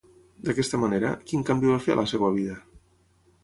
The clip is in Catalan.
D'aquesta manera, quin canvi va fer a la seva vida?